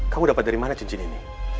kamu dapat dari mana cincin ini